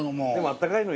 あったかいの。